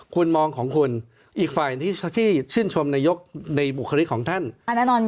คุณมองของคุณอีกฝ่ายที่ที่ชื่นชมนายกในบุคลิกของท่านอันนั้นมี